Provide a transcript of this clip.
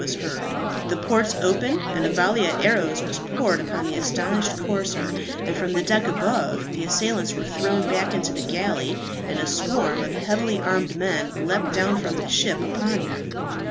was heard; the ports opened, and a volley of arrows was poured upon the astonished corsair; and from the deck above the assailants were thrown back into the galley, and a swarm of heavily armed men leapt down from the ship upon them.